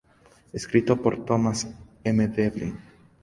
Escrito por Thomas M. Devlin